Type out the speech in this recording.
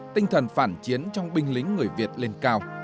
tinh thần phản chiến trong binh lính người việt lên cao